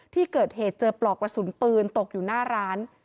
ที่เกิดเหตุเจอปลอกกระสุนปืนตกอยู่หน้าร้าน